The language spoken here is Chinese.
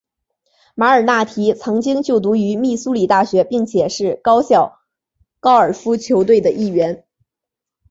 马尔纳提曾经就读于密苏里大学并且是学校高尔夫球队的一员。